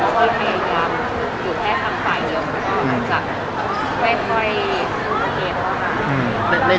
แล้วก็พยายามอยู่แค่ทางฝ่ายเนื้อของเรา